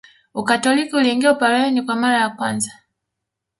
Ukatoliki uliingia Upareni kwa mara ya kwanza